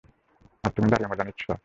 আর তুমি দাঁড়িয়ে মজা নিচ্ছো?